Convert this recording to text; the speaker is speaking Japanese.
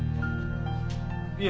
いえ。